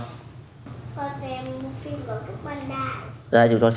con xem một phim có chút băng đại